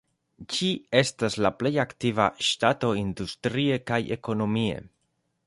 Ĝi estas la plej aktiva ŝtato industrie kaj ekonomie.